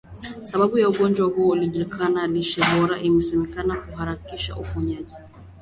Sababu ya ugonjwa huu haijulikani lishe bora inasemekana kuharakisha uponyaji